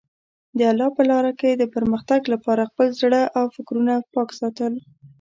د الله په لاره کې د پرمختګ لپاره خپل زړه او فکرونه پاک ساتل.